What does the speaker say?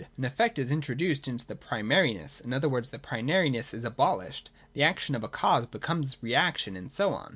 An effect is introduced into the pri mariness ; in other words, the primariness is abolished : the action of a cause becomes reaction, and so on.